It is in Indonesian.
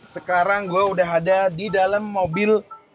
sekarang gue udah ada di dalam mobil